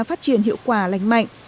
phát triển hiệu quả lành mạnh